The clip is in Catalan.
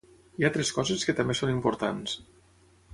Hi ha altres coses que també són importants.